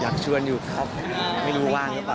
อยากชวนอยู่ครับไม่รู้ว่างหรือเปล่า